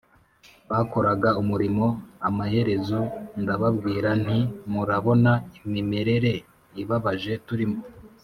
bakoraga umurimo Amaherezo ndababwira nti murabona imimerere ibabaje turimo